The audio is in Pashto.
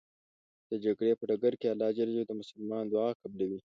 د جګړې په ډګر الله ج د مسلمان دعا قبلوی .